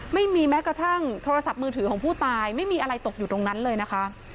ไม่มีแม้กระทั่งโทรศัพท์มือถือของผู้ตายไม่มีอะไรตกอยู่ตรงนั้นเลยนะคะ